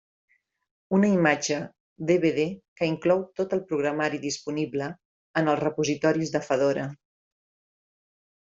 Una imatge DVD que inclou tot el programari disponible en els repositoris de Fedora.